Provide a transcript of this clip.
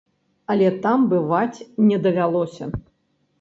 Але там бываць не давялося.